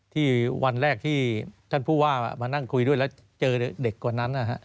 วันแรกที่ท่านผู้ว่ามานั่งคุยด้วยแล้วเจอเด็กกว่านั้นนะฮะ